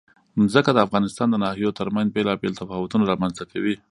ځمکه د افغانستان د ناحیو ترمنځ بېلابېل تفاوتونه رامنځ ته کوي.